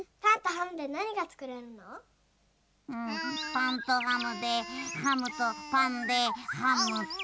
パンとハムでハムとパンでハムと。